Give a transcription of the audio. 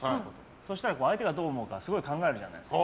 そしたら相手がどう思うかすごい考えるじゃないですか。